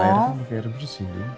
airnya kan pakai air bersih